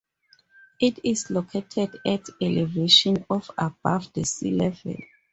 It is located at elevation of above the sea level.